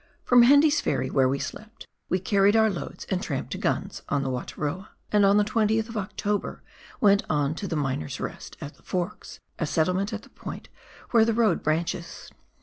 From Hende's Ferry, where we slept, we carried our loads and tramped to Gunn's, on the Wataroa, and on the 20th of October went on to the " Miner's Rest," at the Forks, a settlement at the point where the road branches.